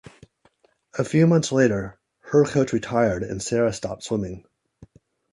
A few months later, her coach retired and Sara stopped swimming.